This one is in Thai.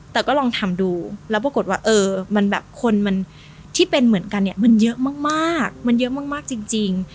แต่ก็ลองทำดูแล้วปรากฏว่ามันแบบคนที่เป็นเหมือนกันมันเยอะมากจริง